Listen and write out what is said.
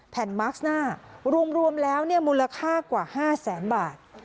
มาร์คหน้ารวมแล้วมูลค่ากว่า๕แสนบาท